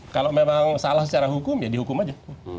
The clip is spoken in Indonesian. kalau memang salah secara hukum ya dihukum aja